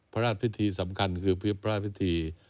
พระราชพิธีสำคัญคือพระราชพิธี